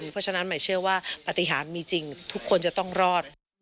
เพราะฉะนั้นหมายเชื่อว่าปฏิหารมีจริงทุกคนจะต้องรอด